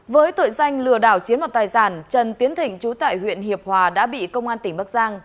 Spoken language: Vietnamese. với tội danh lừa đảo chiến vào tài giản trần tiến thịnh chú tại huyện hiệp hòa đã bị công an tỉnh bắc giang